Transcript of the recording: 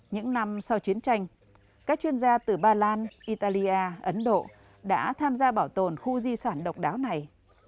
những năm sau chiến tranh các chuyên gia từ ba lan italia ấn độ đã tham gia bảo tồn khu di sản độc đáo này